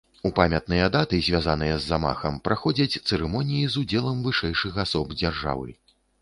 У памятныя даты, звязаныя з замахам, праходзяць цырымоніі з удзелам вышэйшых асоб дзяржавы.